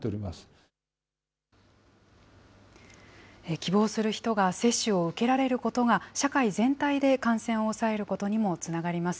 希望する人が接種を受けられることが、社会全体で感染を抑えることにもつながります。